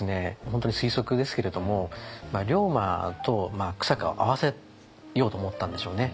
本当に推測ですけれども龍馬と久坂を会わせようと思ったんでしょうね。